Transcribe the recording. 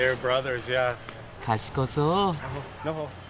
賢そう。